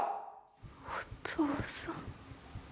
お父さん。